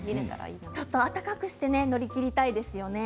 ちょっと暖かくして乗り切りたいですよね。